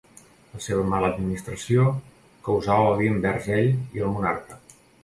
La seva mala administració causà odi envers ell i el monarca.